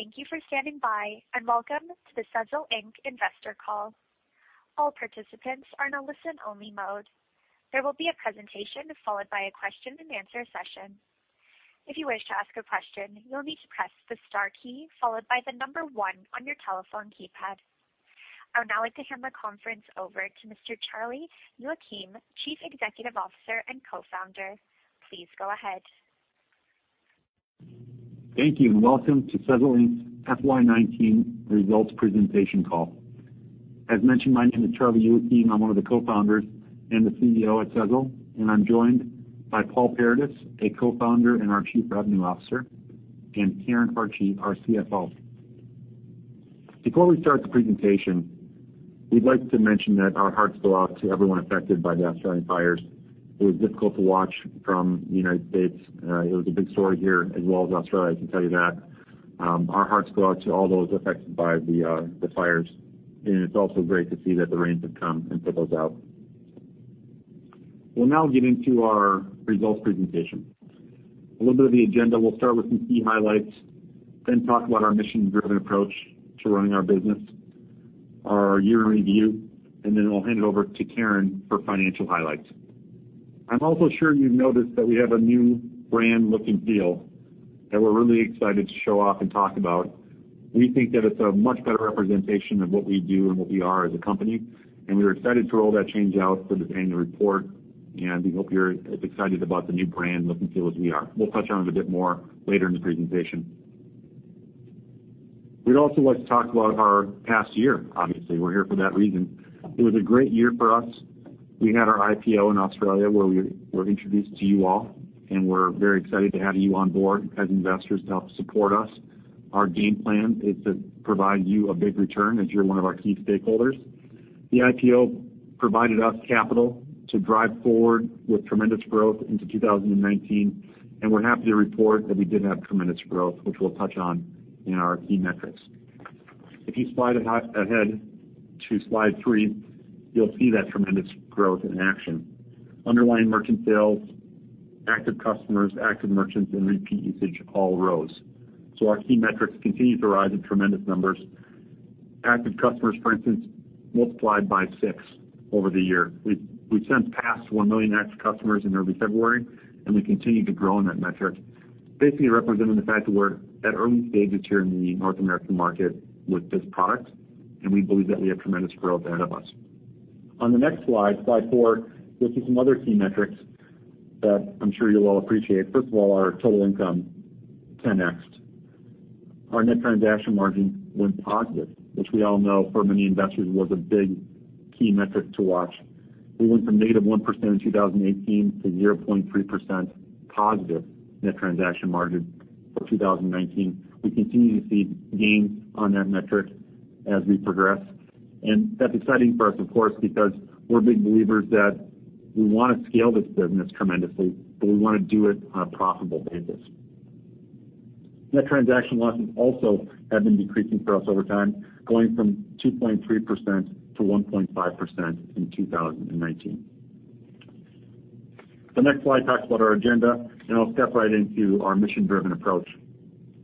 Thank you for standing by, and welcome to the Sezzle Inc. investor call. All participants are in a listen-only mode. There will be a presentation followed by a question and answer session. If you wish to ask a question, you'll need to press the star key followed by the number one on your telephone keypad. I would now like to hand the conference over to Mr. Charlie Youakim, Chief Executive Officer and Co-founder. Please go ahead. Thank you, welcome to Sezzle Inc.'s FY19 results presentation call. As mentioned, my name is Charlie Youakim. I'm one of the co-founders and the CEO at Sezzle, and I'm joined by Paul Paradis, a co-founder and our Chief Revenue Officer, and Karen Hartje, our CFO. Before we start the presentation, we'd like to mention that our hearts go out to everyone affected by the Australian fires. It was difficult to watch from the United States. It was a big story here as well as Australia, I can tell you that. Our hearts go out to all those affected by the fires, and it's also great to see that the rains have come and put those out. We'll now get into our results presentation. A little bit of the agenda. We'll start with some key highlights, then talk about our mission-driven approach to running our business, our year in review, and then we'll hand it over to Karen for financial highlights. I'm also sure you've noticed that we have a new brand look and feel that we're really excited to show off and talk about. We think that it's a much better representation of what we do and what we are as a company, and we were excited to roll that change out for this annual report, and we hope you're as excited about the new brand look and feel as we are. We'll touch on it a bit more later in the presentation. We'd also like to talk about our past year, obviously. We're here for that reason. It was a great year for us. We had our IPO in Australia, where we were introduced to you all, and we're very excited to have you on board as investors to help support us. Our game plan is to provide you a big return as you're one of our key stakeholders. The IPO provided us capital to drive forward with tremendous growth into 2019. We're happy to report that we did have tremendous growth, which we'll touch on in our key metrics. If you slide ahead to slide three, you'll see that tremendous growth in action. Underlying merchant sales, active customers, active merchants, and repeat usage all rose. Our key metrics continued to rise in tremendous numbers. Active customers, for instance, multiplied by six over the year. We've since passed one million active customers in early February, and we continue to grow in that metric, basically representing the fact that we're at early stages here in the North American market with this product, and we believe that we have tremendous growth ahead of us. On the next slide four, you'll see some other key metrics that I'm sure you'll all appreciate. First of all, our total income 10X'd. Our net transaction margin went positive, which we all know for many investors was a big key metric to watch. We went from negative 1% in 2018 to 0.3% positive net transaction margin for 2019. We continue to see gains on that metric as we progress, and that's exciting for us, of course, because we're big believers that we want to scale this business tremendously, but we want to do it on a profitable basis. Net transaction losses also have been decreasing for us over time, going from 2.3%-1.5% in 2019. The next slide talks about our agenda, and I'll step right into our mission-driven approach.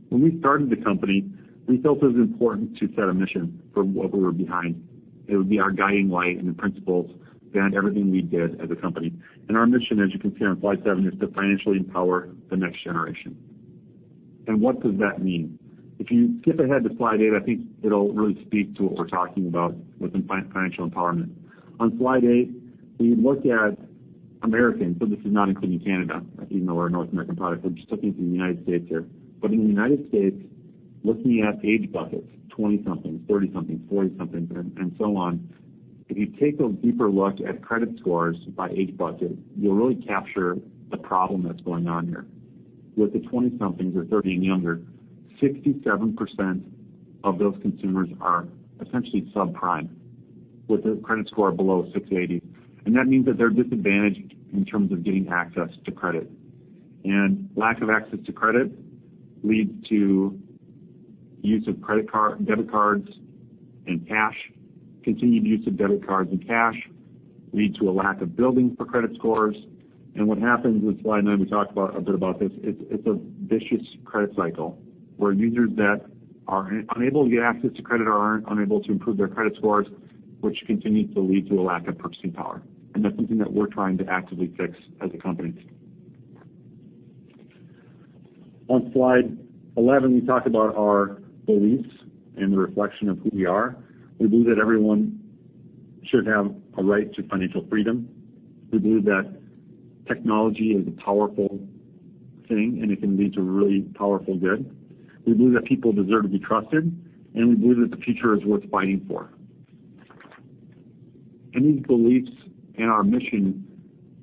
When we started the company, we felt it was important to set a mission for what we were behind. It would be our guiding light and the principles behind everything we did as a company. Our mission, as you can see on slide seven, is to financially empower the next generation. What does that mean? If you skip ahead to slide eight, I think it'll really speak to what we're talking about within financial empowerment. On slide eight, we look at Americans, so this is not including Canada, even though we're a North American product. We're just looking at the United States here. In the U.S., looking at age buckets, 20-somethings, 30-somethings, 40-somethings, and so on. If you take a deeper look at credit scores by age bucket, you'll really capture the problem that's going on here. With the 20-somethings or 30 and younger, 67% of those consumers are essentially subprime with a credit score below 680, and that means that they're disadvantaged in terms of getting access to credit. Lack of access to credit leads to use of debit cards and cash. Continued use of debit cards and cash lead to a lack of building for credit scores. What happens with slide nine, we talked a bit about this, it's a vicious credit cycle where users that are unable to get access to credit or are unable to improve their credit scores, which continues to lead to a lack of purchasing power. That's something that we're trying to actively fix as a company. On slide 11, we talk about our beliefs and the reflection of who we are. We believe that everyone should have a right to financial freedom. We believe that technology is a powerful thing, and it can lead to really powerful good. We believe that people deserve to be trusted, and we believe that the future is worth fighting for. These beliefs and our mission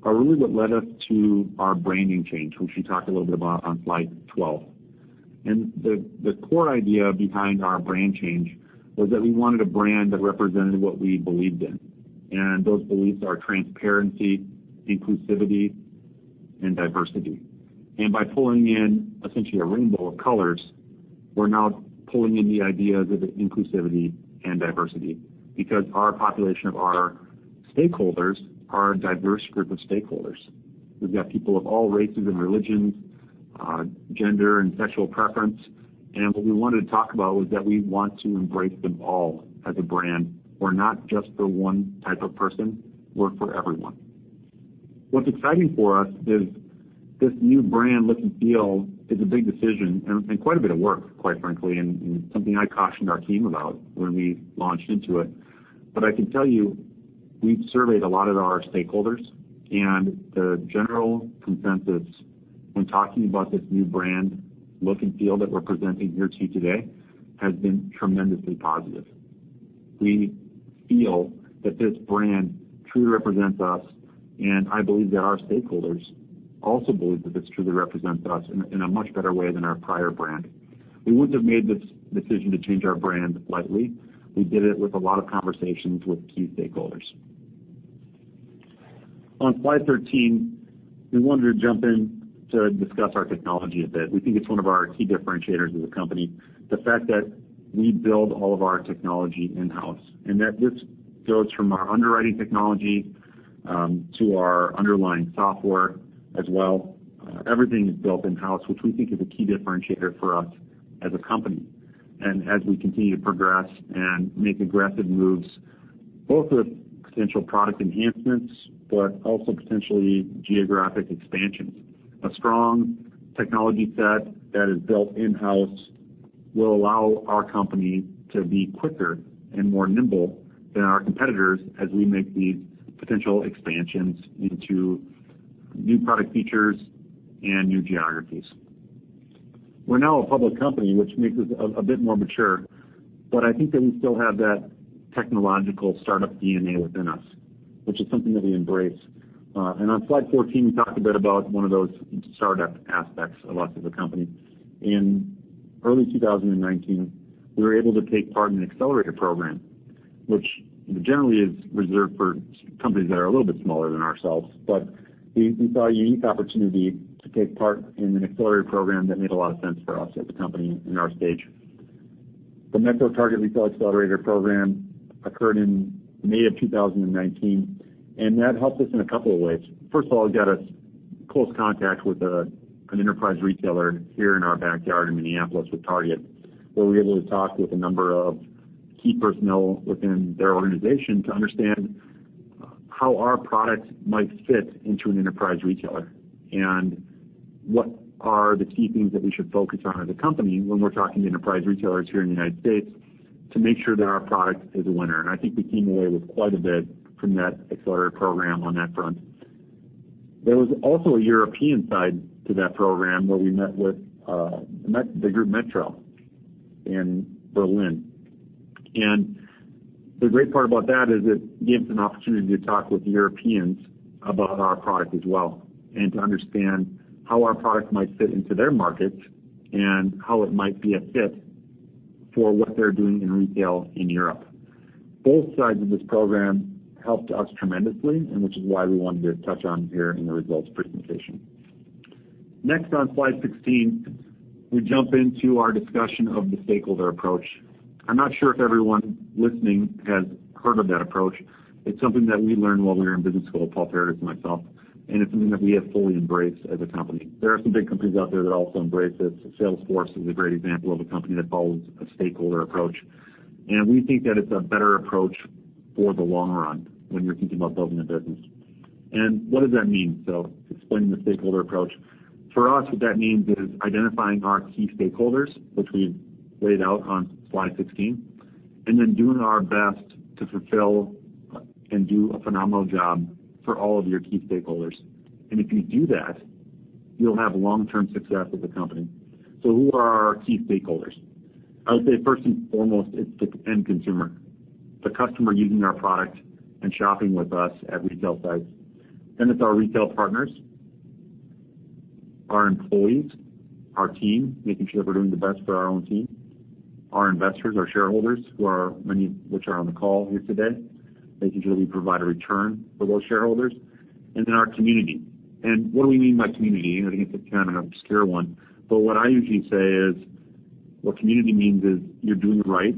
are really what led us to our branding change, which we talk a little bit about on slide 12. The core idea behind our brand change was that we wanted a brand that represented what we believed in, and those beliefs are transparency, inclusivity, and diversity. By pulling in essentially a rainbow of colors, we're now pulling in the ideas of inclusivity and diversity because our population of our stakeholders are a diverse group of stakeholders. We've got people of all races and religions, gender, and sexual preference. What we wanted to talk about was that we want to embrace them all as a brand. We're not just for one type of person, we're for everyone. What's exciting for us is this new brand look and feel is a big decision and quite a bit of work, quite frankly, and something I cautioned our team about when we launched into it. I can tell you, we've surveyed a lot of our stakeholders, and the general consensus when talking about this new brand look and feel that we're presenting here to you today has been tremendously positive. We feel that this brand truly represents us, and I believe that our stakeholders also believe that this truly represents us in a much better way than our prior brand. We wouldn't have made this decision to change our brand lightly. We did it with a lot of conversations with key stakeholders. On slide 13, we wanted to jump in to discuss our technology a bit. We think it's one of our key differentiators as a company, the fact that we build all of our technology in-house, and that this goes from our underwriting technology, to our underlying software as well. Everything is built in-house, which we think is a key differentiator for us as a company. As we continue to progress and make aggressive moves, both with potential product enhancements, but also potentially geographic expansions. A strong technology set that is built in-house will allow our company to be quicker and more nimble than our competitors as we make these potential expansions into new product features and new geographies. We're now a public company, which makes us a bit more mature, but I think that we still have that technological startup DNA within us, which is something that we embrace. On slide 14, we talked a bit about one of those startup aspects of us as a company. In early 2019, we were able to take part in an accelerator program, which generally is reserved for companies that are a little bit smaller than ourselves, but we saw a unique opportunity to take part in an accelerator program that made a lot of sense for us as a company in our stage. The METRO Target Retail Accelerator program occurred in May of 2019. That helped us in a couple of ways. First of all, it got us close contact with an enterprise retailer here in our backyard in Minneapolis with Target, where we were able to talk with a number of key personnel within their organization to understand how our product might fit into an enterprise retailer. What are the key things that we should focus on as a company when we're talking to enterprise retailers here in the U.S. to make sure that our product is a winner. I think we came away with quite a bit from that accelerator program on that front. There was also a European side to that program where we met with the group Metro in Berlin. The great part about that is it gave us an opportunity to talk with Europeans about our product as well, and to understand how our product might fit into their markets and how it might be a fit for what they're doing in retail in Europe. Both sides of this program helped us tremendously, and which is why we wanted to touch on here in the results presentation. Next on slide 16, we jump into our discussion of the stakeholder approach. I'm not sure if everyone listening has heard of that approach. It's something that we learned while we were in business school, Paul Paradis and myself, and it's something that we have fully embraced as a company. There are some big companies out there that also embrace this. Salesforce is a great example of a company that follows a stakeholder approach. We think that it's a better approach for the long run when you're thinking about building a business. What does that mean? Explaining the stakeholder approach. For us, what that means is identifying our key stakeholders, which we've laid out on slide 16, and then doing our best to fulfill and do a phenomenal job for all of your key stakeholders. If you do that, you'll have long-term success as a company. Who are our key stakeholders? I would say first and foremost, it's the end consumer, the customer using our product and shopping with us at retail sites. It's our retail partners, our employees, our team, making sure we're doing the best for our own team, our investors, our shareholders, many of which are on the call here today, making sure we provide a return for those shareholders, and then our community. What do we mean by community? I think it's kind of an obscure one, but what I usually say is, what community means is you're doing right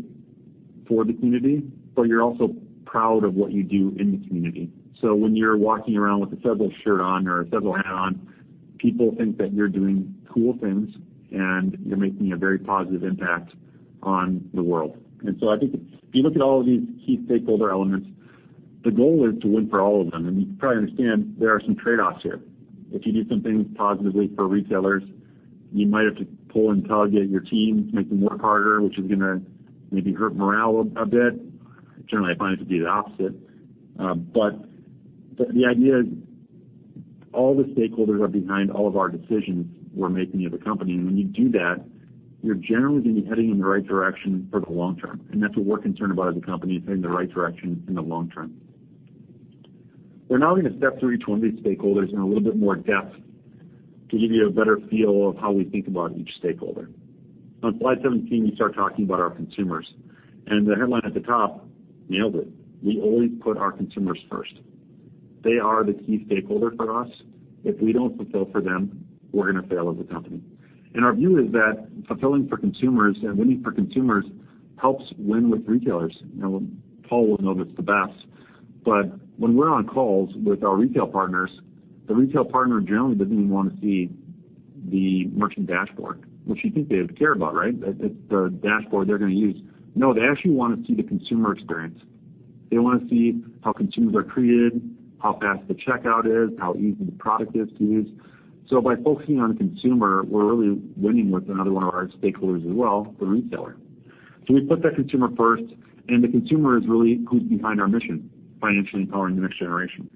for the community, but you're also proud of what you do in the community. When you're walking around with a Sezzle shirt on or a Sezzle hat on, people think that you're doing cool things and you're making a very positive impact on the world. I think if you look at all of these key stakeholder elements, the goal is to win for all of them. You probably understand there are some trade-offs here. If you do something positively for retailers, you might have to pull and tug at your team to make them work harder, which is going to maybe hurt morale a bit. Generally, I find it to be the opposite. The idea is all the stakeholders are behind all of our decisions we're making as a company. When you do that, you're generally going to be heading in the right direction for the long term. That's what we're concerned about as a company, is heading in the right direction in the long term. We're now going to step through each one of these stakeholders in a little bit more depth to give you a better feel of how we think about each stakeholder. On slide 17, we start talking about our consumers. The headline at the top nailed it. We always put our consumers first. They are the key stakeholder for us. If we don't fulfill for them, we're going to fail as a company. Our view is that fulfilling for consumers and winning for consumers helps win with retailers. Paul will know this the best, but when we're on calls with our retail partners, the retail partner generally doesn't even want to see the merchant dashboard, which you think they would care about, right? It's the dashboard they're going to use. No, they actually want to see the consumer experience. They want to see how consumers are treated, how fast the checkout is, how easy the product is to use. By focusing on the consumer, we're really winning with another one of our stakeholders as well, the retailer. We put that consumer first, and the consumer is really who's behind our mission, financially empowering the next generation.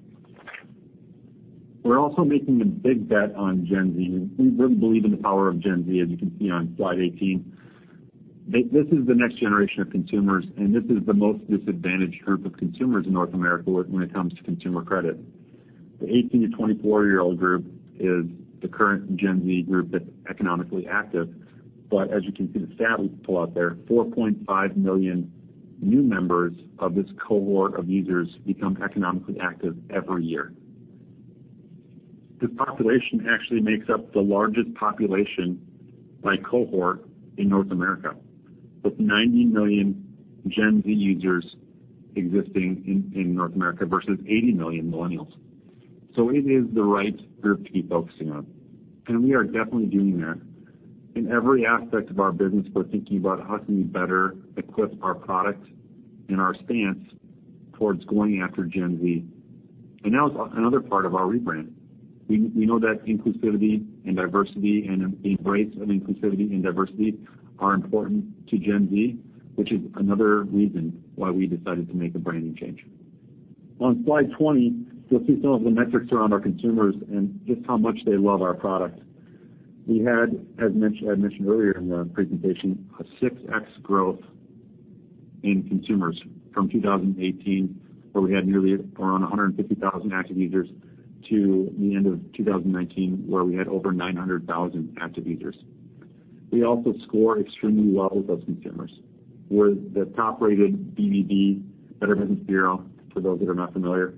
We're also making a big bet on Gen Z. We really believe in the power of Gen Z, as you can see on slide 18. This is the next generation of consumers, and this is the most disadvantaged group of consumers in North America when it comes to consumer credit. The 18-24 year-old group is the current Gen Z group that's economically active. As you can see the stat we pull out there, 4.5 million new members of this cohort of users become economically active every year. This population actually makes up the largest population by cohort in North America, with 90 million Gen Z users existing in North America versus 80 million millennials. It is the right group to be focusing on. We are definitely doing that. In every aspect of our business, we're thinking about how can we better equip our product and our stance towards going after Gen Z. That was another part of our rebrand. We know that inclusivity and diversity, and embrace of inclusivity and diversity are important to Gen Z, which is another reason why we decided to make a branding change. On slide 20, you'll see some of the metrics around our consumers and just how much they love our product. We had, as mentioned earlier in the presentation, a 6x growth in consumers from 2018, where we had nearly around 150,000 active users to the end of 2019, where we had over 900,000 active users. We also score extremely well with those consumers. We're the top-rated BBB, Better Business Bureau, for those that are not familiar,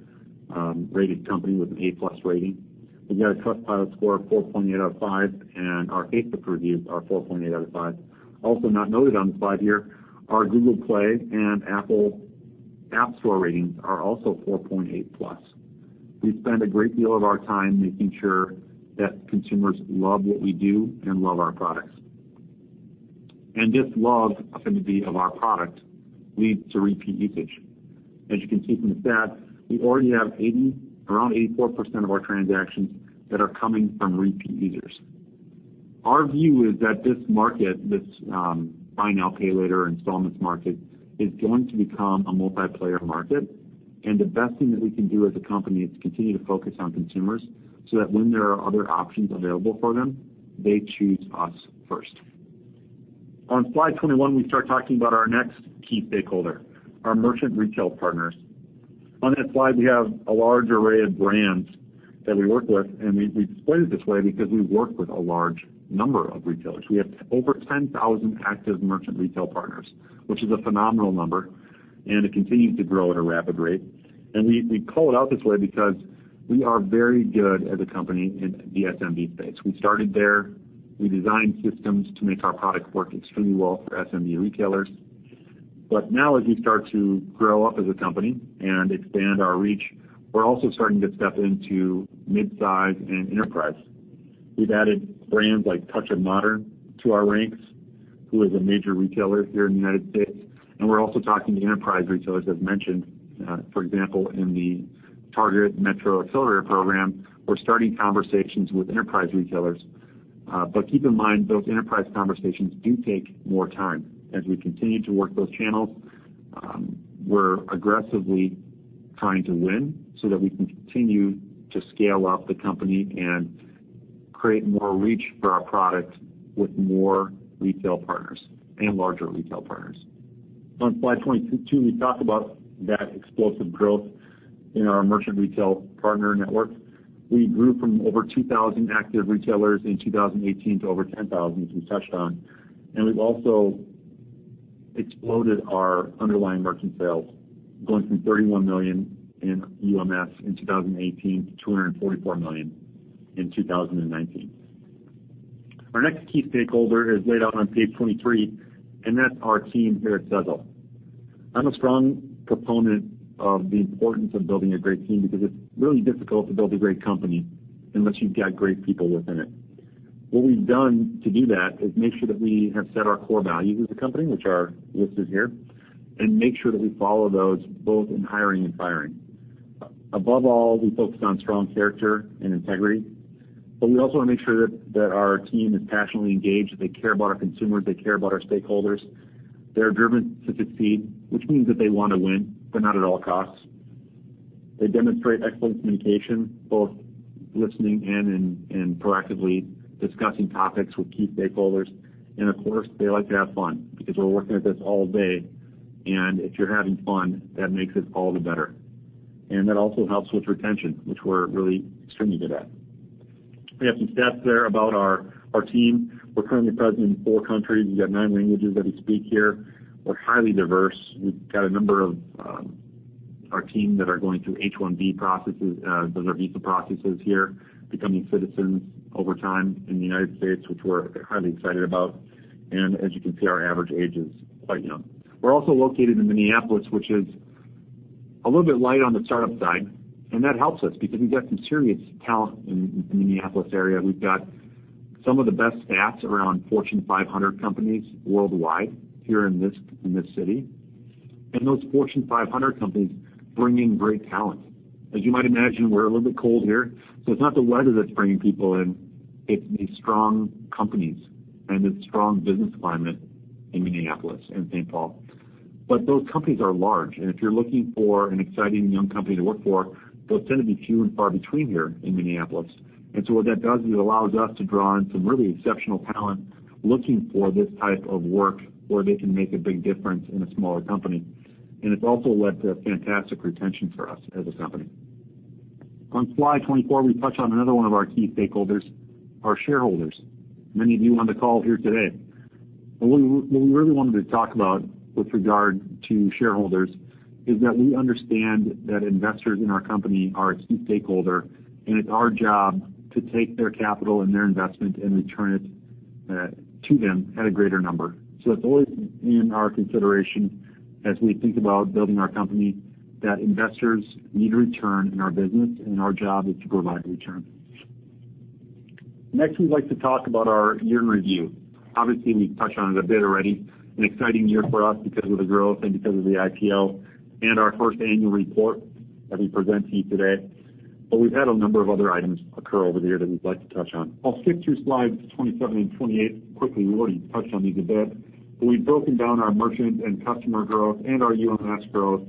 rated company with an A-plus rating. We've got a Trustpilot score of 4.8 out of five, and our Facebook reviews are 4.8 out of five. Also not noted on the slide here, our Google Play and Apple App Store ratings are also 4.8 plus. We spend a great deal of our time making sure that consumers love what we do and love our products. This love affinity of our product leads to repeat usage. As you can see from the stat, we already have around 84% of our transactions that are coming from repeat users. Our view is that this market, this buy now, pay later installments market, is going to become a multiplayer market. The best thing that we can do as a company is continue to focus on consumers, so that when there are other options available for them, they choose us first. On slide 21, we start talking about our next key stakeholder, our merchant retail partners. On that slide, we have a large array of brands that we work with, and we display it this way because we work with a large number of retailers. We have over 10,000 active merchant retail partners, which is a phenomenal number, and it continues to grow at a rapid rate. We call it out this way because we are very good as a company in the SMB space. We started there. We designed systems to make our product work extremely well for SMB retailers. Now as we start to grow up as a company and expand our reach, we're also starting to step into mid-size and enterprise. We've added brands like Touch of Modern to our ranks, who is a major retailer here in the U.S., and we're also talking to enterprise retailers, as mentioned. For example, in the Target METRO Accelerator program, we're starting conversations with enterprise retailers. Keep in mind, those enterprise conversations do take more time. As we continue to work those channels, we're aggressively trying to win so that we can continue to scale up the company and create more reach for our product with more retail partners and larger retail partners. On slide 22, we talk about that explosive growth in our merchant retail partner network. We grew from over 2,000 active retailers in 2018 to over 10,000, as we touched on. We've also exploded our underlying merchant sales, going from $31 million in UMS in 2018 to $244 million in 2019. Our next key stakeholder is laid out on page 23, and that's our team here at Sezzle. I'm a strong proponent of the importance of building a great team because it's really difficult to build a great company unless you've got great people within it. What we've done to do that is make sure that we have set our core values as a company, which are listed here, and make sure that we follow those both in hiring and firing. Above all, we focus on strong character and integrity, but we also want to make sure that our team is passionately engaged, they care about our consumers, they care about our stakeholders. They're driven to succeed, which means that they want to win, but not at all costs. They demonstrate excellent communication, both listening and in proactively discussing topics with key stakeholders. Of course, they like to have fun because we're working at this all day, and if you're having fun, that makes it all the better. That also helps with retention, which we're really extremely good at. We have some stats there about our team. We're currently present in four countries. We got nine languages that we speak here. We're highly diverse. Our team that are going through H-1B processes, those are visa processes here, becoming citizens over time in the U.S., which we're highly excited about. As you can see, our average age is quite young. We're also located in Minneapolis, which is a little bit light on the startup side, and that helps us because we've got some serious talent in the Minneapolis area. We've got some of the best staffs around Fortune 500 companies worldwide here in this city. Those Fortune 500 companies bring in great talent. As you might imagine, we're a little bit cold here, so it's not the weather that's bringing people in, it's the strong companies and the strong business climate in Minneapolis and St. Paul. Those companies are large, and if you're looking for an exciting young company to work for, those tend to be few and far between here in Minneapolis. What that does, is it allows us to draw in some really exceptional talent looking for this type of work where they can make a big difference in a smaller company. It's also led to fantastic retention for us as a company. On slide 24, we touch on another one of our key stakeholders, our shareholders. Many of you on the call here today. What we really wanted to talk about with regard to shareholders is that we understand that investors in our company are a key stakeholder, and it's our job to take their capital and their investment and return it to them at a greater number. It's always in our consideration as we think about building our company, that investors need a return in our business and our job is to provide return. We'd like to talk about our year in review. Obviously, we've touched on it a bit already, an exciting year for us because of the growth and because of the IPO and our first annual report that we present to you today. We've had a number of other items occur over the year that we'd like to touch on. I'll skip through slides 27 and 28 quickly. We've already touched on these a bit, but we've broken down our merchant and customer growth and our UMS growth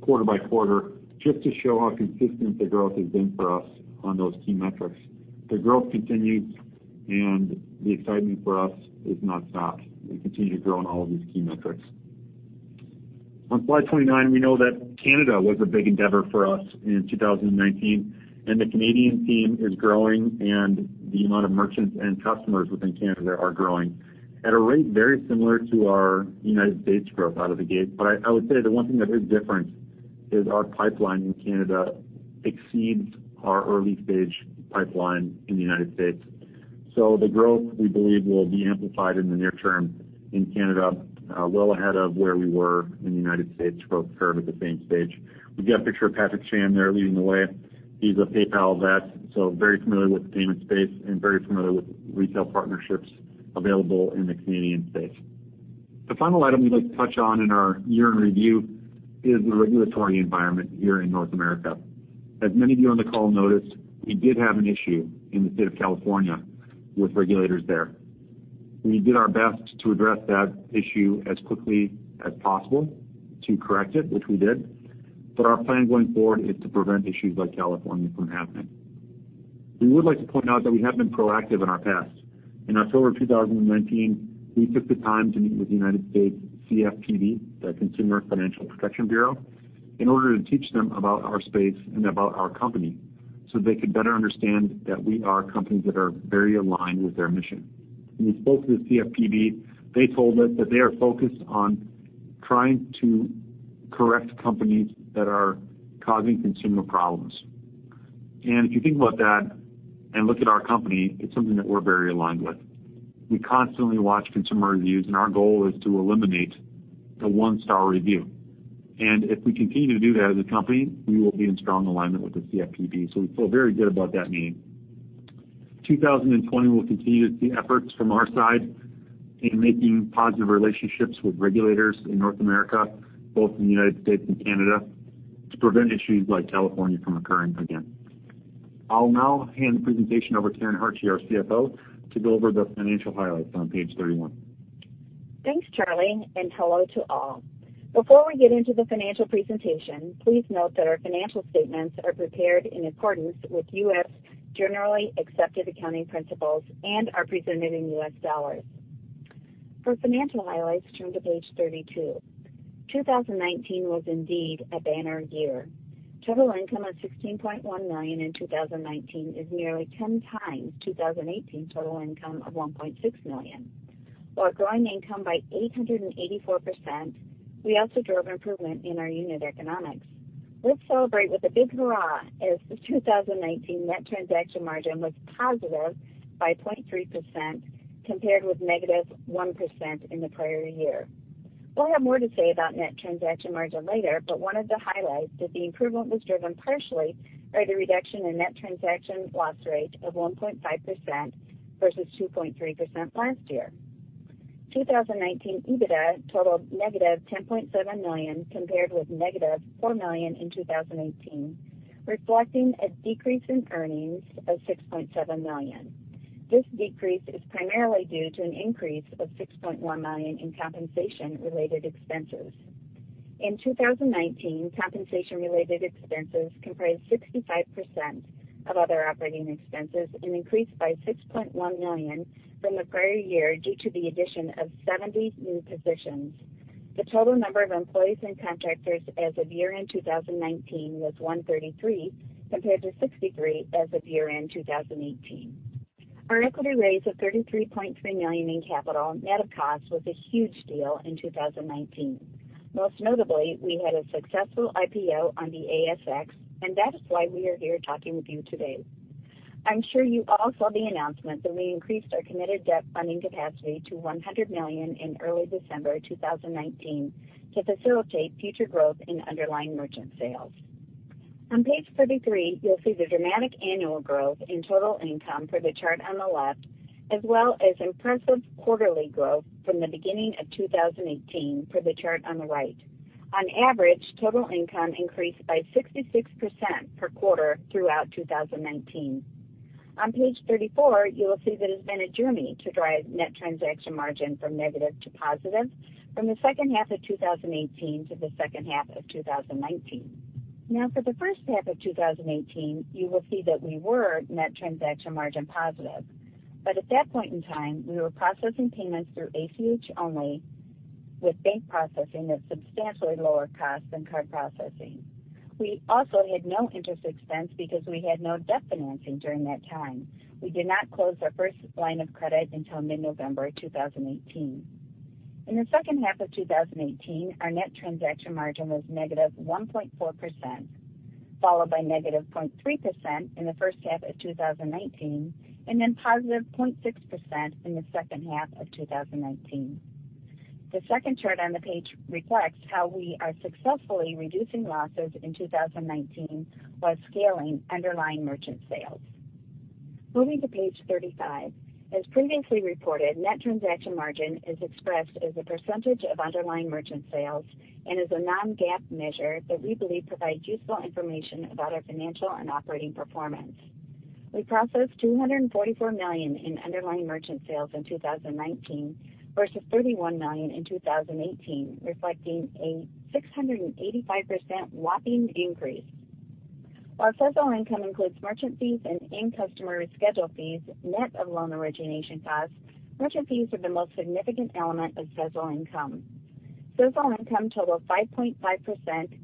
quarter by quarter just to show how consistent the growth has been for us on those key metrics. The growth continues, and the excitement for us is nonstop. We continue to grow in all of these key metrics. On slide 29, we know that Canada was a big endeavor for us in 2019, and the Canadian team is growing, and the amount of merchants and customers within Canada are growing at a rate very similar to our United States growth out of the gate. I would say the one thing that is different is our pipeline in Canada exceeds our early-stage pipeline in the United States. The growth, we believe, will be amplified in the near term in Canada, well ahead of where we were in the United States growth curve at the same stage. We've got a picture of Patrick Chan there leading the way. He's a PayPal vet, very familiar with the payment space and very familiar with retail partnerships available in the Canadian space. The final item we'd like to touch on in our year in review is the regulatory environment here in North America. As many of you on the call noticed, we did have an issue in the state of California with regulators there. We did our best to address that issue as quickly as possible to correct it, which we did. Our plan going forward is to prevent issues like California from happening. We would like to point out that we have been proactive in our past. In October 2019, we took the time to meet with the United States CFPB, the Consumer Financial Protection Bureau, in order to teach them about our space and about our company so they could better understand that we are a company that are very aligned with their mission. When we spoke to the CFPB, they told us that they are focused on trying to correct companies that are causing consumer problems. If you think about that and look at our company, it's something that we're very aligned with. We constantly watch consumer reviews. Our goal is to eliminate a one-star review. If we continue to do that as a company, we will be in strong alignment with the CFPB. We feel very good about that meeting. 2020 will continue the efforts from our side in making positive relationships with regulators in North America, both in the United States and Canada, to prevent issues like California from occurring again. I'll now hand the presentation over to Karen Hartje, our CFO, to go over the financial highlights on page 31. Thanks, Charlie, and hello to all. Before we get into the financial presentation, please note that our financial statements are prepared in accordance with U.S. Generally Accepted Accounting Principles and are presented in U.S. dollars. For financial highlights, turn to page 32. 2019 was indeed a banner year. Total income of $16.1 million in 2019 is nearly 10 times 2018 total income of $1.6 million. While growing income by 884%, we also drove improvement in our unit economics. Let's celebrate with a big hurrah as the 2019 net transaction margin was positive by 0.3%, compared with negative 1% in the prior year. We'll have more to say about net transaction margin later. Wanted to highlight that the improvement was driven partially by the reduction in net transaction loss rate of 1.5% versus 2.3% last year. 2019 EBITDA totaled negative $10.7 million, compared with negative $4 million in 2018, reflecting a decrease in earnings of $6.7 million. This decrease is primarily due to an increase of $6.1 million in compensation related expenses. In 2019, compensation related expenses comprised 65% of other operating expenses and increased by $6.1 million from the prior year due to the addition of 70 new positions. The total number of employees and contractors as of year-end 2019 was 133, compared to 63 as of year-end 2018. Our equity raise of $33.3 million in capital net of cost was a huge deal in 2019. Most notably, we had a successful IPO on the ASX, that is why we are here talking with you today. I'm sure you all saw the announcement that we increased our committed debt funding capacity to $100 million in early December 2019 to facilitate future growth in underlying merchant sales. On page 33, you'll see the dramatic annual growth in total income for the chart on the left, as well as impressive quarterly growth from the beginning of 2018 for the chart on the right. On average, total income increased by 66% per quarter throughout 2019. On page 34, you will see that it's been a journey to drive net transaction margin from negative to positive from the second half of 2018 to the second half of 2019. For the first half of 2018, you will see that we were net transaction margin positive. At that point in time, we were processing payments through ACH only with bank processing at substantially lower cost than card processing. We also had no interest expense because we had no debt financing during that time. We did not close our first line of credit until mid-November 2018. In the second half of 2018, our net transaction margin was -1.4%, followed by -0.3% in the first half of 2019, and then positive 0.6% in the second half of 2019. The second chart on the page reflects how we are successfully reducing losses in 2019 while scaling underlying merchant sales. Moving to page 35. As previously reported, net transaction margin is expressed as a percentage of underlying merchant sales and is a non-GAAP measure that we believe provides useful information about our financial and operating performance. We processed $244 million in underlying merchant sales in 2019 versus $31 million in 2018, reflecting a 685% whopping increase. While Sezzle income includes merchant fees and end customer reschedule fees net of loan origination costs, merchant fees are the most significant element of Sezzle income. Sezzle income totaled 5.5%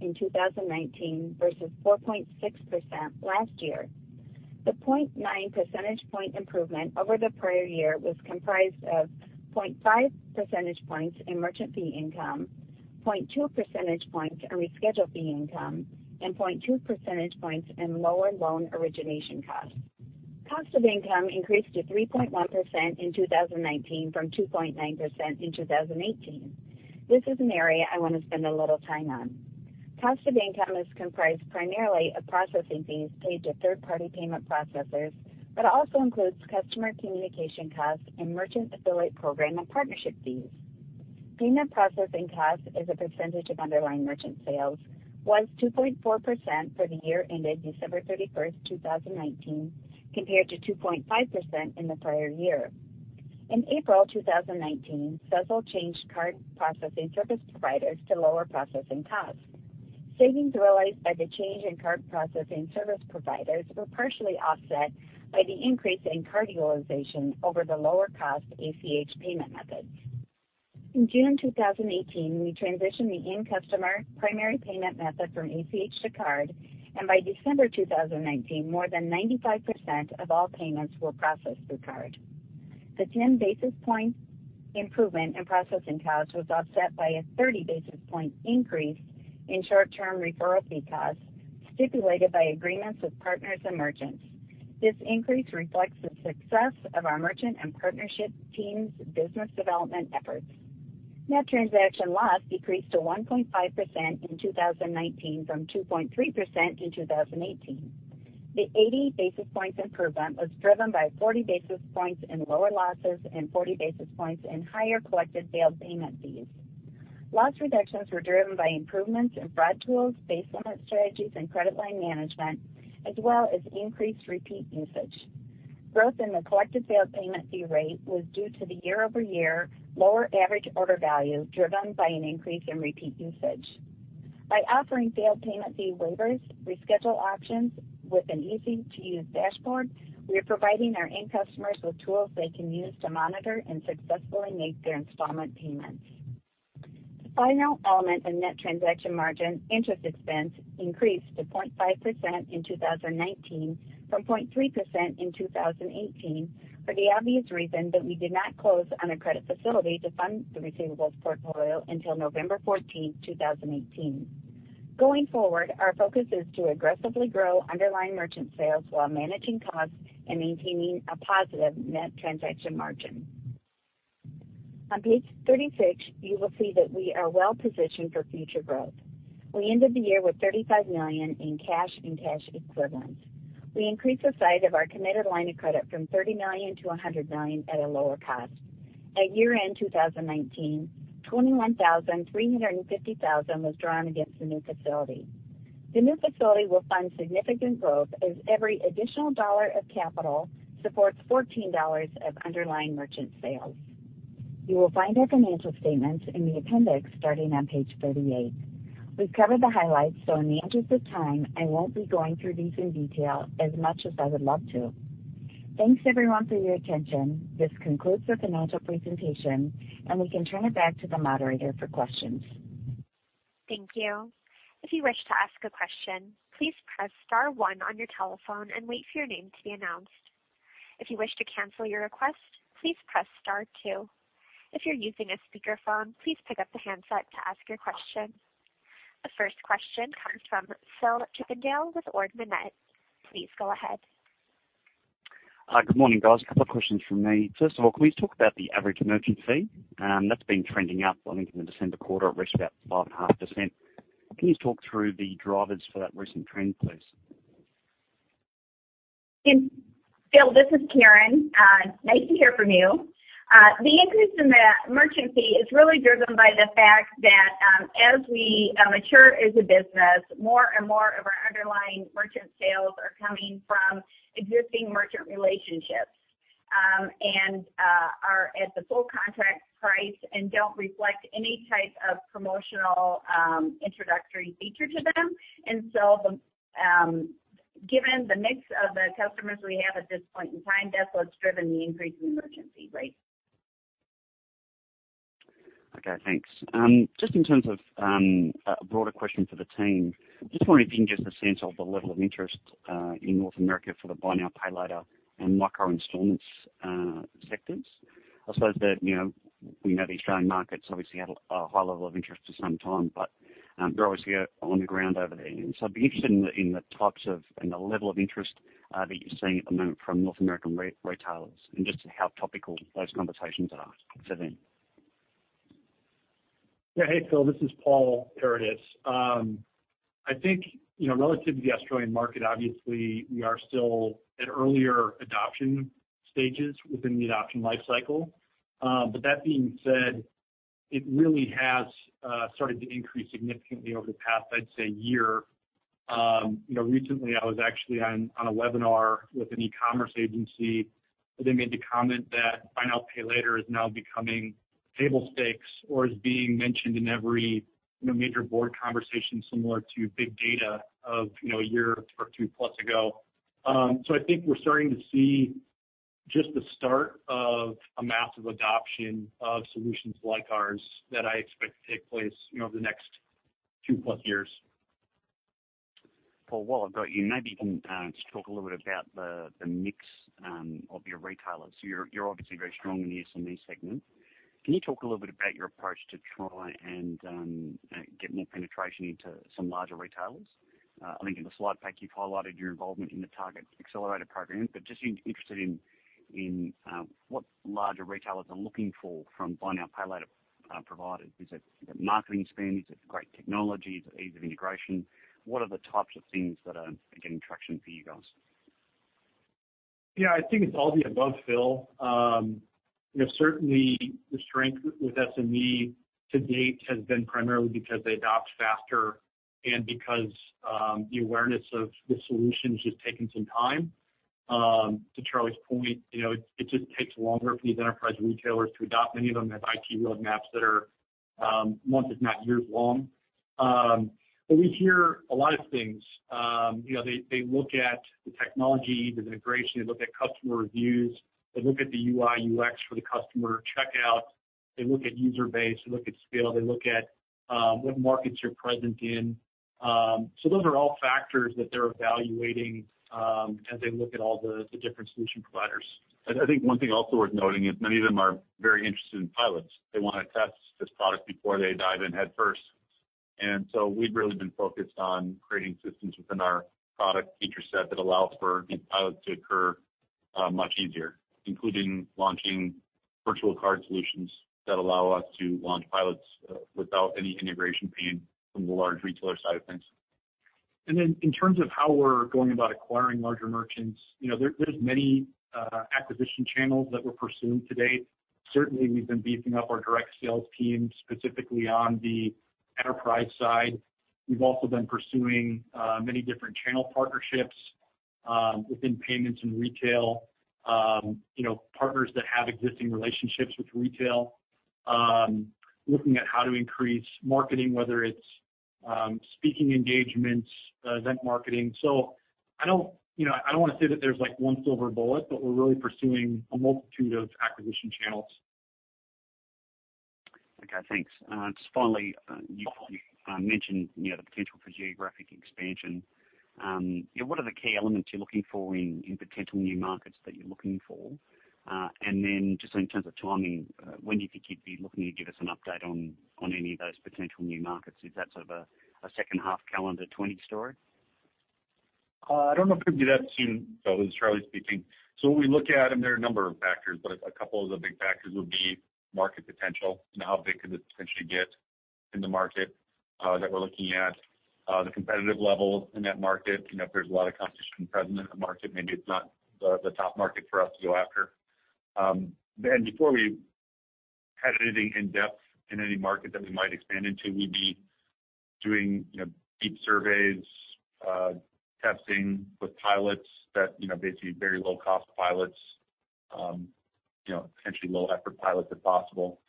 in 2019 versus 4.6% last year. The 0.9 percentage point improvement over the prior year was comprised of 0.5 percentage points in merchant fee income, 0.2 percentage points in reschedule fee income, and 0.2 percentage points in lower loan origination costs. Cost of income increased to 3.1% in 2019 from 2.9% in 2018. This is an area I want to spend a little time on. Cost of income is comprised primarily of processing fees paid to third-party payment processors but also includes customer communication costs and merchant affiliate program and partnership fees. Payment processing cost as a percentage of underlying merchant sales was 2.4% for the year ended December 31st, 2019, compared to 2.5% in the prior year. In April 2019, Sezzle changed card processing service providers to lower processing costs. Savings realized by the change in card processing service providers were partially offset by the increase in card utilization over the lower cost ACH payment methods. In June 2018, we transitioned the end customer primary payment method from ACH to card, and by December 2019, more than 95% of all payments were processed through card. The 10 basis points improvement in processing costs was offset by a 30 basis point increase in short-term referral fee costs stipulated by agreements with partners and merchants. This increase reflects the success of our merchant and partnership teams' business development efforts. Net transaction loss decreased to 1.5% in 2019 from 2.3% in 2018. The 80 basis points improvement was driven by 40 basis points in lower losses and 40 basis points in higher collected failed payment fees. Loss reductions were driven by improvements in fraud tools, pay limit strategies, and credit line management, as well as increased repeat usage. Growth in the collected failed payment fee rate was due to the year-over-year lower average order value driven by an increase in repeat usage. By offering failed payment fee waivers, reschedule options with an easy-to-use dashboard, we are providing our end customers with tools they can use to monitor and successfully make their installment payments. The final element of net transaction margin, interest expense, increased to 0.5% in 2019 from 0.3% in 2018 for the obvious reason that we did not close on a credit facility to fund the receivables portfolio until November 14th, 2018. Going forward, our focus is to aggressively grow underlying merchant sales while managing costs and maintaining a positive net transaction margin. On page 36, you will see that we are well-positioned for future growth. We ended the year with $35 million in cash and cash equivalents. We increased the size of our committed line of credit from $30 million-$100 million at a lower cost. At year-end 2019, $21,350 was drawn against the new facility. The new facility will fund significant growth as every additional dollar of capital supports $14 of underlying merchant sales. You will find our financial statements in the appendix starting on page 38. We've covered the highlights, so in the interest of time, I won't be going through these in detail as much as I would love to. Thanks everyone for your attention. This concludes the financial presentation, and we can turn it back to the moderator for questions. Thank you. If you wish to ask a question, please press star one on your telephone and wait for your name to be announced. If you wish to cancel your request, please press star two. If you're using a speakerphone, please pick up the handset to ask your question. The first question comes from Phil Chippendale with Ord Minnett. Please go ahead. Hi. Good morning, guys. A couple of questions from me. First of all, can we talk about the average merchant fee? That's been trending up, I think in the December quarter, it reached about 5.5%. Can you talk through the drivers for that recent trend, please? Phil, this is Karen. Nice to hear from you. The increase in the merchant fee is really driven by the fact that, as we mature as a business, more and more of our underlying merchant sales are coming from existing merchant relationships, and are at the full contract price and don't reflect any type of promotional introductory feature to them. Given the mix of the customers we have at this point in time, that's what's driven the increase in the merchant fee rate. Okay. Thanks. Just in terms of a broader question for the team, just wondering if you can give a sense of the level of interest, in North America for the buy now, pay later and micro installments sectors. I suppose that, we know the Australian market's obviously had a high level of interest for some time, but you're obviously on the ground over there. I'd be interested in the types of, and the level of interest that you're seeing at the moment from North American retailers, and just how topical those conversations are for them. Yeah. Hey, Phil. This is Paul Paradis. I think, relative to the Australian market, obviously, we are still at earlier adoption stages within the adoption life cycle. That being said, it really has started to increase significantly over the past, I'd say year. Recently I was actually on a webinar with an e-commerce agency, where they made the comment that buy now, pay later is now becoming table stakes or is being mentioned in every major board conversation similar to big data of a year or two plus ago. I think we're starting to see just the start of a massive adoption of solutions like ours that I expect to take place over the next two plus years. Paul, while I've got you, maybe you can just talk a little bit about the mix of your retailers. You're obviously very strong in the SME segment. Can you talk a little bit about your approach to try and get more penetration into some larger retailers? I think in the slide pack you've highlighted your involvement in the Target Accelerator Program, but just interested in what larger retailers are looking for from buy now, pay later providers. Is it marketing spend? Is it great technology? Is it ease of integration? What are the types of things that are getting traction for you guys? Yeah, I think it's all the above, Phil. Certainly the strength with SME to date has been primarily because they adopt faster and because the awareness of the solutions has taken some time. To Charlie's point, it just takes longer for these enterprise retailers to adopt. Many of them have IT roadmaps that are months, if not years long. We hear a lot of things. They look at the technology, the integration, they look at customer reviews. They look at the UI, UX for the customer checkout. They look at user base, they look at scale, they look at what markets you're present in. Those are all factors that they're evaluating, as they look at all the different solution providers. I think one thing also worth noting is many of them are very interested in pilots. They want to test this product before they dive in headfirst. We've really been focused on creating systems within our product feature set that allows for these pilots to occur much easier, including launching virtual card solutions that allow us to launch pilots without any integration pain from the large retailer side of things. In terms of how we're going about acquiring larger merchants, there's many acquisition channels that we're pursuing to date. Certainly we've been beefing up our direct sales team, specifically on the enterprise side. We've also been pursuing many different channel partnerships within payments and retail, partners that have existing relationships with retail, looking at how to increase marketing, whether it's speaking engagements, event marketing. I don't want to say that there's one silver bullet, but we're really pursuing a multitude of acquisition channels. Okay, thanks. Finally, you mentioned the potential for geographic expansion. What are the key elements you're looking for in potential new markets that you're looking for? Just in terms of timing, when do you think you'd be looking to give us an update on any of those potential new markets? Is that sort of a second half calendar 2020 story? I don't know if we'd do that soon. Phil, this is Charlie speaking. When we look at them, there are a number of factors, but a couple of the big factors would be market potential and how big could it potentially get in the market that we're looking at. The competitive level in that market, if there's a lot of competition present in the market, maybe it's not the top market for us to go after. Before we had anything in-depth in any market that we might expand into, we'd be doing deep surveys, testing with pilots that basically very low cost pilots, potentially low effort pilots if possible,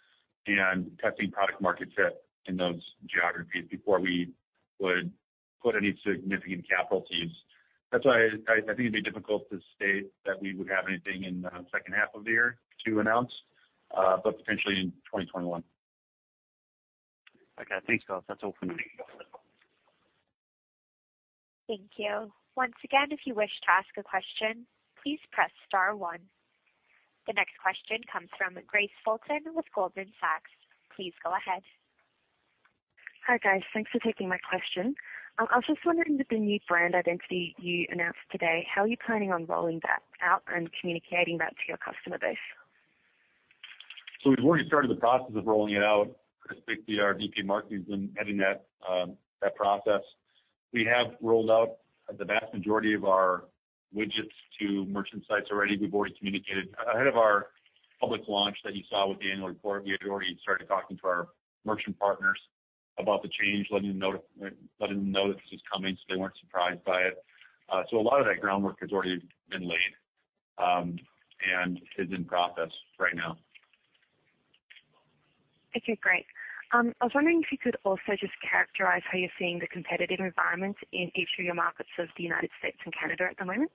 and testing product market fit in those geographies before we would put any significant capital to use. That's why I think it'd be difficult to state that we would have anything in the second half of the year to announce, but potentially in 2021. Okay. Thanks, guys. That's all for me. Thank you. Once again, if you wish to ask a question, please press star one. The next question comes from Grace Fulton with Goldman Sachs. Please go ahead. Hi, guys. Thanks for taking my question. I was just wondering with the new brand identity you announced today, how are you planning on rolling that out and communicating that to your customer base? We've already started the process of rolling it out. Chris Biggs, our VP of Marketing, has been heading that process. We have rolled out the vast majority of our widgets to merchant sites already. We've already communicated ahead of our public launch that you saw with the annual report. We had already started talking to our merchant partners about the change, letting them know that this was coming so they weren't surprised by it. A lot of that groundwork has already been laid, and is in process right now. Okay, great. I was wondering if you could also just characterize how you're seeing the competitive environment in each of your markets of the U.S. and Canada at the moment.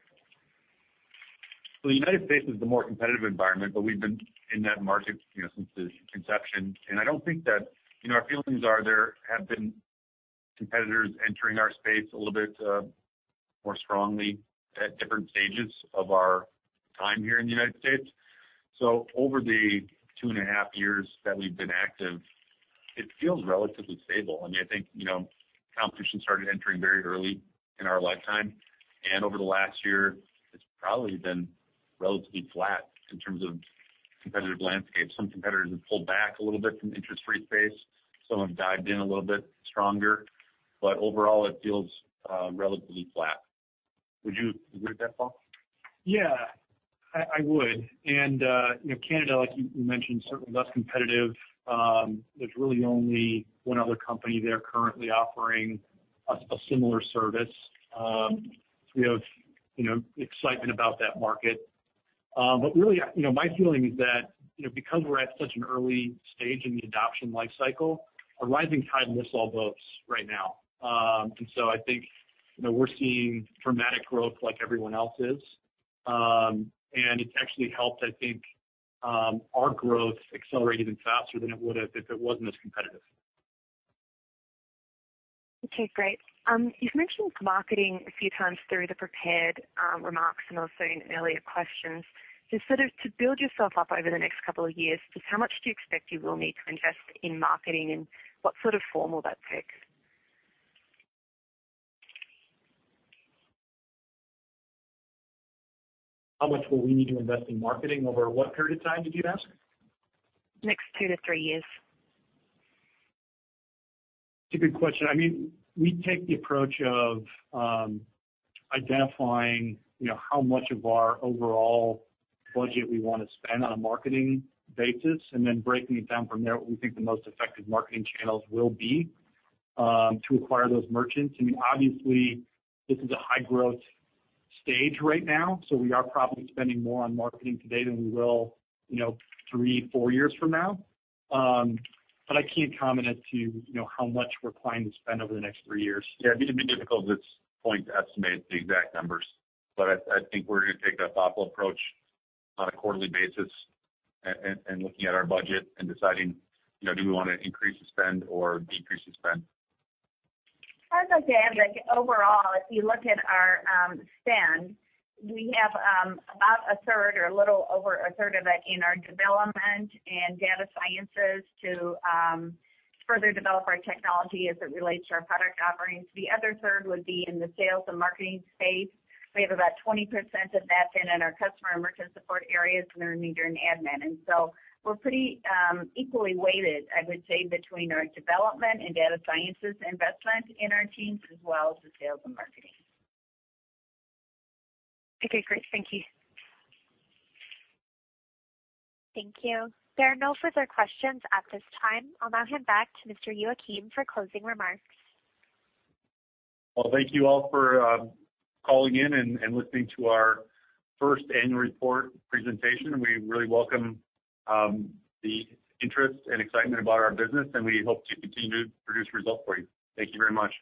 The United States is the more competitive environment, but we've been in that market since its inception, and I don't think that our feelings are there have been competitors entering our space a little bit more strongly at different stages of our time here in the United States. Over the two and a half years that we've been active, it feels relatively stable. I think competition started entering very early in our lifetime. Over the last year it's probably been relatively flat in terms of competitive landscape. Some competitors have pulled back a little bit from interest-free space. Some have dived in a little bit stronger. Overall it feels relatively flat. Would you agree with that, Paul? Yeah, I would. Canada, like you mentioned, certainly less competitive. There's really only one other company there currently offering a similar service. We have excitement about that market. Really, my feeling is that because we're at such an early stage in the adoption life cycle, a rising tide lifts all boats right now. I think we're seeing dramatic growth like everyone else is. It's actually helped, I think, our growth accelerate even faster than it would have if it wasn't as competitive. Okay, great. You've mentioned marketing a few times through the prepared remarks and also in earlier questions. Just sort of to build yourself up over the next couple of years, just how much do you expect you will need to invest in marketing and what sort of form will that take? How much will we need to invest in marketing over what period of time, did you ask? Next two years-three years. It's a good question. We take the approach of identifying how much of our overall budget we want to spend on a marketing basis and then breaking it down from there, what we think the most effective marketing channels will be to acquire those merchants. Obviously this is a high-growth stage right now, we are probably spending more on marketing today than we will three, four years from now. I can't comment as to how much we're planning to spend over the next three years. Yeah, it'd be difficult at this point to estimate the exact numbers, but I think we're going to take that thoughtful approach on a quarterly basis and looking at our budget and deciding do we want to increase the spend or decrease the spend? I would like to add, I think overall, if you look at our spend, we have about a third or a little over a third of it in our development and data sciences to further develop our technology as it relates to our product offerings. The other third would be in the sales and marketing space. We have about 20% of that then in our customer and merchant support areas and our need for admin. We're pretty equally weighted, I would say, between our development and data sciences investment in our teams as well as the sales and marketing. Okay, great. Thank you. Thank you. There are no further questions at this time. I'll now hand back to Mr. Youakim for closing remarks. Well, thank you all for calling in and listening to our first annual report presentation. We really welcome the interest and excitement about our business, and we hope to continue to produce results for you. Thank you very much.